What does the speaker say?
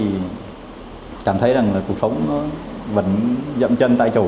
thì cảm thấy là cuộc sống vẫn dậm chân tại chỗ